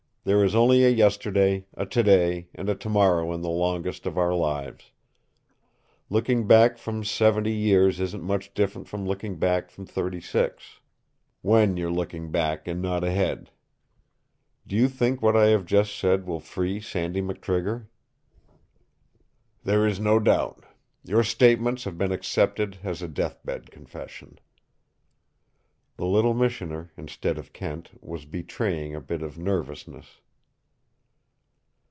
There is only a yesterday, a today, and a tomorrow in the longest of our lives. Looking back from seventy years isn't much different from looking back from thirty six WHEN you're looking back and not ahead. Do you think what I have just said will free Sandy McTrigger?" "There is no doubt. Your statements have been accepted as a death bed confession." The little missioner, instead of Kent, was betraying a bit of nervousness.